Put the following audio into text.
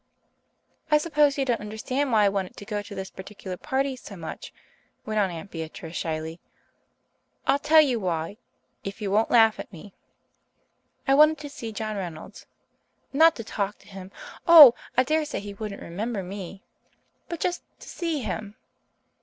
"I suppose you don't understand why I wanted to go to this particular party so much," went on Aunt Beatrice shyly. "I'll tell you why if you won't laugh at me. I wanted to see John Reynolds not to talk to him oh, I dare say he wouldn't remember me but just to see him.